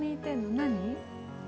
何？